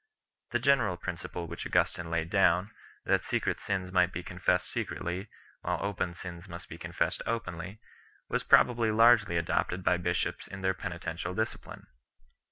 The general principle which Augustin 3 laid down, that secret sins might be confessed secretly, while open sins must be confessed openly, was probably largely adopted by bishops in their penitential discipline.